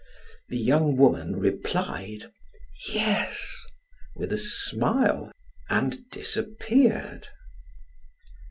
The young woman replied: "Yes," with a smile and disappeared.